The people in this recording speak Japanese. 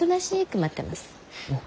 うん。